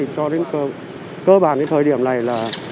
cho đến cơ bản thời điểm này là